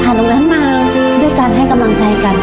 พาลูกน้ำมาด้วยการให้กำลังใจกัน